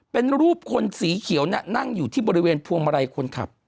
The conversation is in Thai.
เป็นรูปคนสีเขียวน่ะนั่งอยู่ที่บริเวณพวงมาลัยคนขับ